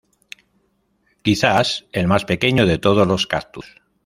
Quizás el más pequeño de todos los cactus.